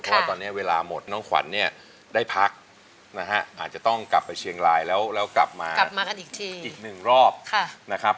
เพราะว่าตอนนี้เวลาหมดน้องขวัญเนี่ยได้พักอาจจะต้องกลับไปเชียงรายแล้วกลับมาอีกหนึ่งรอบ